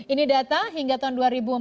ini data hingga tahun dua ribu empat belas